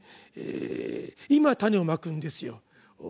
今種を蒔くんですよ。